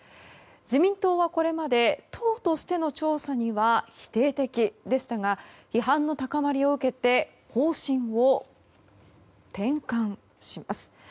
自民党はこれまで党としての調査には否定的でしたが批判の高まりを受けて方針を転換します。